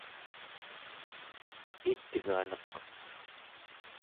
it'ganeq